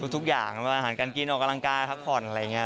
ทุกอย่างอาหารการกินออกกำลังกายพักผ่อนอะไรอย่างนี้